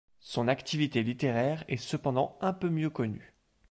Son activité littéraire est cependant un peu mieux connue.